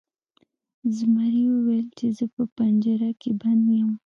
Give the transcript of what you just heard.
زمري وویل چې زه په پنجره کې بند یم.